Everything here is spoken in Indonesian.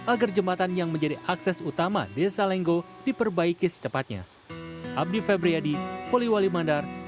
agar jembatan yang menjadi akses utama desa lenggo diperbaiki secepatnya